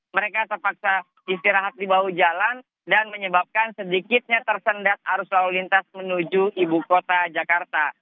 mereka terpaksa istirahat di bahu jalan dan menyebabkan sedikitnya tersendat arus lalu lintas menuju ibu kota jakarta